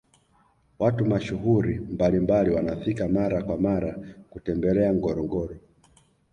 watu mashuhuri mbalimbali wanafika mara kwa mara kutembelea ngorongoro